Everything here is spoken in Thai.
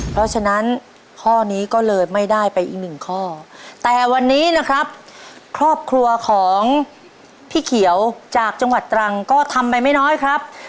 เพราะฉะนั้นข้อนี้ก็เลยไม่ได้ไปอีกหนึ่งข้อแต่วันนี้นะครับครอบครัวของพี่เขียวจากจังหวัดตรังก็ทำไปไม่น้อยครับ